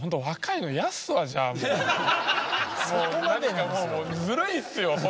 なんかもうずるいっすよ。